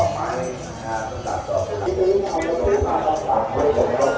เมื่อ